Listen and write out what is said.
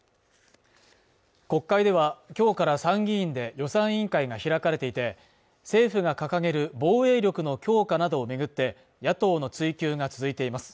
国会では、今日から参議院で予算委員会が開かれていて、政府が掲げる防衛力の強化などを巡って、野党の追及が続いています。